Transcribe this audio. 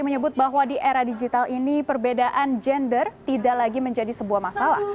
menyebut bahwa di era digital ini perbedaan gender tidak lagi menjadi sebuah masalah